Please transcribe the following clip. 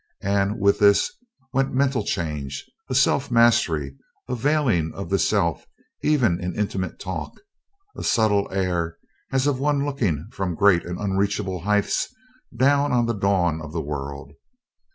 And with this went mental change: a self mastery; a veiling of the self even in intimate talk; a subtle air as of one looking from great and unreachable heights down on the dawn of the world.